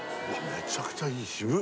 めちゃくちゃいい渋っ！